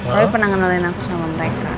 roy pernah ngenalin aku sama mereka